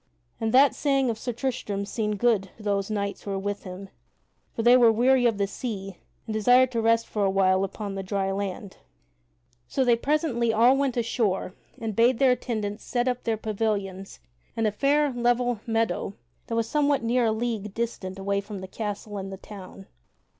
And that saying of Sir Tristram's seemed good to those knights who were with him, for they were weary of the sea, and desired to rest for a while upon the dry land. [Sidenote: Sir Tristram sets up his pavilion] So they presently all went ashore and bade their attendants set up their pavilions in a fair level meadow that was somewhat near a league distant away from the castle and the town.